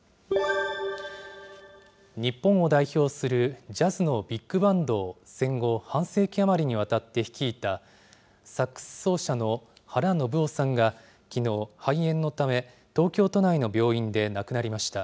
日本を代表するジャズのビッグバンドを戦後、半世紀余りにわたって率いた、サックス奏者の原信夫さんがきのう、肺炎のため、東京都内の病院で亡くなりました。